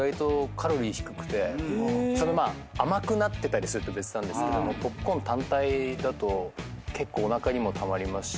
まあ甘くなってたりすると別なんですけどポップコーン単体だと結構おなかにもたまりますし。